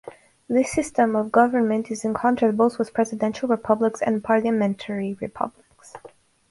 This system of government is in contrast both with presidential republics and parliamentary republics.